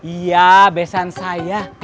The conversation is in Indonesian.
iya besan saya